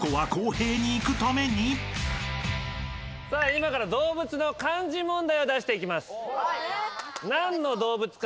今から動物の漢字問題を出していきます。